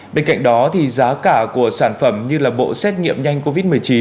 bên cạnh đó giá cả của sản phẩm như bộ xét nghiệm nhanh covid một mươi chín